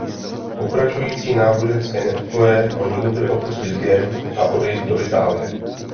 Pokračující náboženské nepokoje ho donutily opustit Gent a odejít do Itálie.